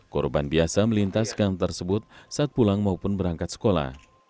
korban biasa melintas gang tersebut saat pulang maupun berangkat sekolah